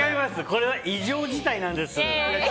これ、異常事態なんです。